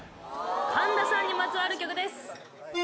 神田さんにまつわる曲です。